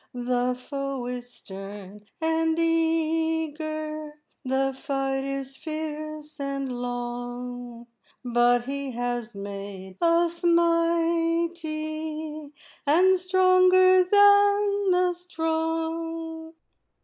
The foe is stern and eager, The fight is fierce and long, But He has made us mighty, And stronger than the strong."